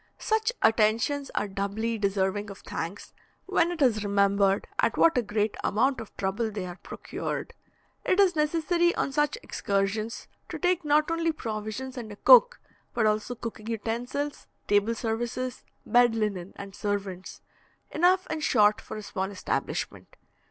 Such attentions are doubly deserving of thanks, when it is remembered at what a great amount of trouble they are procured. It is necessary on such excursions to take not only provisions and a cook, but also cooking utensils, table services, bed linen, and servants, enough in short for a small establishment.